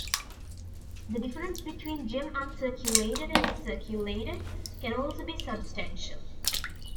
The difference between Gem Uncirculated and Uncirculated can also be substantial.